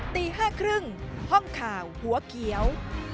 ตี๕๓๐ห้องข่าวหัวเขียว